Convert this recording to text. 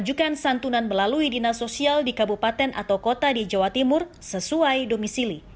mengajukan santunan melalui dinas sosial di kabupaten atau kota di jawa timur sesuai domisili